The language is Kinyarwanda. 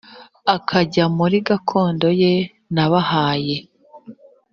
akajya muri gakondo ye nabahaye